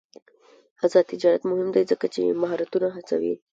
آزاد تجارت مهم دی ځکه چې مهارتونه هڅوي.